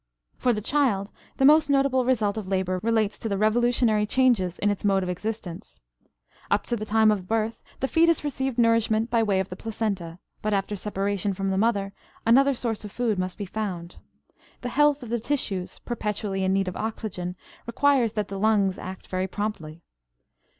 For the child the most notable result of labor relates to the revolutionary changes in its mode of existence. Up to the time of birth the fetus received nourishment by way of the placenta, but after separation from the mother another source of food must be found. The health of the tissues, perpetually in need of oxygen, requires that the lungs act very promptly.